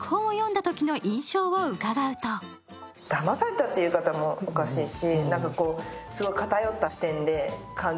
だまされたっていう言い方もおかしいし。